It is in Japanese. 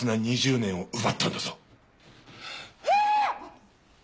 ああーっ！